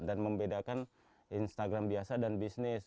dan membedakan instagram biasa dan bisnis